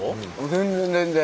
全然全然。